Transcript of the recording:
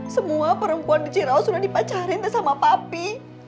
semua perempuan di jerawa sudah dipacarin sama papi